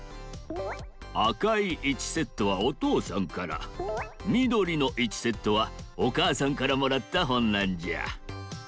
あかい１セットはおとうさんからみどりの１セットはおかあさんからもらったほんなんじゃ。